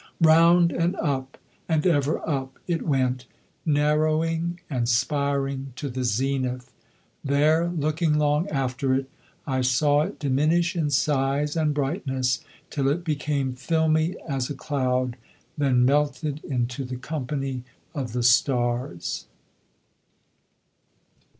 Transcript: Round and up, and ever up it went, narrowing and spiring to the zenith. There, looking long after it, I saw it diminish in size and brightness till it became filmy as a cloud, then melted into the company of the stars.